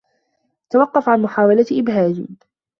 توقف عن محاولة إبهاجي.